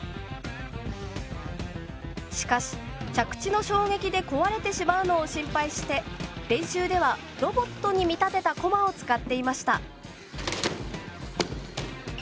しかし着地の衝撃で壊れてしまうのを心配して練習ではロボットに見立てたコマを使っていました。